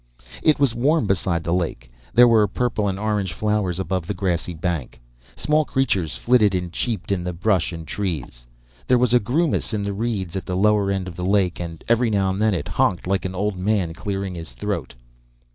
It was warm beside the lake. There were purple and orange flowers above the grassy bank. Small creatures flitted and cheeped in the brush and trees. There was a groomis in the reeds at the lower end of the lake, and every now and then it honked like an old man clearing his throat.